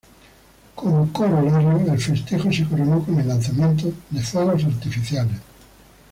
Como corolario, el festejo se coronó con el lanzamiento de fuegos artificiales.